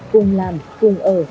cùng làm cùng ở